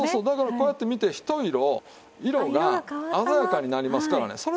だからこうやって見てひと色色が鮮やかになりますからね。